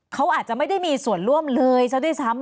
เขาอาจจะไม่ได้มีส่วนร่วมเลยซะด้วยซ้ำ